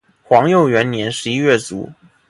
皇佑元年十一月卒。